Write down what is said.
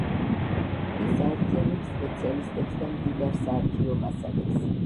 ის აერთიანებს სპეციალისტებს და მდიდარ საარქივო მასალებს.